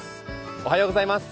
おはようございます。